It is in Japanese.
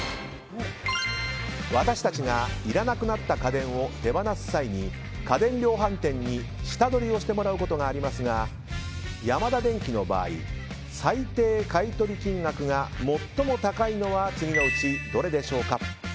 私たちがいらなくなった家電を手放す際に家電量販店に下取りをしてもらうことがありますがヤマダデンキの場合最低買い取り金額が最も高いのは次のうちどれでしょうか？